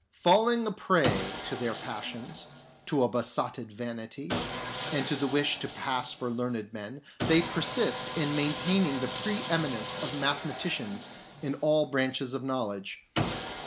Falling a prey to their passions, to a besotted vanity, and the wish to pass for learned men, they persist in maintaining the pre eminence of mathe maticians in all branches of knowledge.